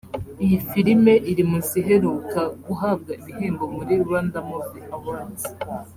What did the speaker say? Iyi filime iri mu ziheruka guhabwa ibihembo muri Rwanda Movie Awards